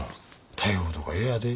逮捕とか嫌やで。